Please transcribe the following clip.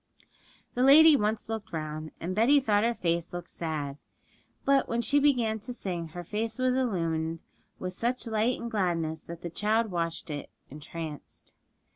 The lady once looked round; and Betty thought her face looked sad; but when she began to sing her face was illumined with such light and gladness that the child watched it entranced.